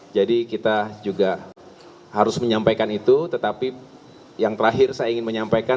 jadi kita juga harus menyampaikan itu tetapi yang terakhir saya ingin menyampaikan